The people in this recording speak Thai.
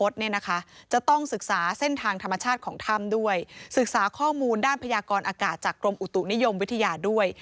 ศึกษาข้อมูลด้านพญากรอากาศจากกรมอุตุนิยมวิทยาด้วย